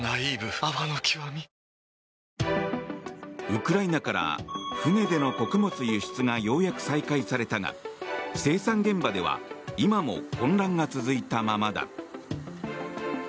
ウクライナから船での穀物輸出がようやく再開されたが生産現場では今も混乱が続いたままだ。